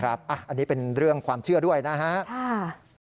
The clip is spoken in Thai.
อันนี้เป็นเรื่องความเชื่อด้วยนะครับ